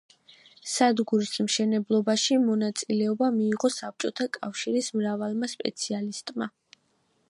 სადგურის მშენებლობაში მონაწილეობა მიიღო საბჭოთა კავშირის მრავალმა სპეციალისტმა.